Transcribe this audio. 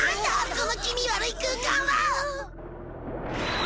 この気味悪い空間は。